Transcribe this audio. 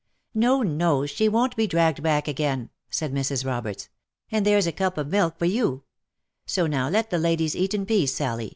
" No, no — she won't be dragged back again," said Mrs. Roberts ;" and there's a cup of milk for you — so now let the ladies eat in peace, Sally.